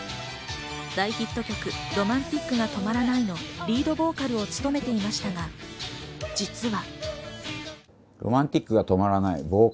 大ヒット曲『Ｒｏｍａｎｔｉｃが止まらない』のリードボーカルを務めていましたが、実は。